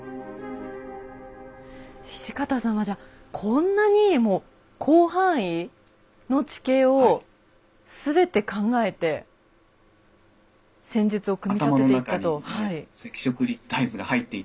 土方さんはじゃこんなにもう広範囲の地形を全て考えて戦術を組み立てていったと。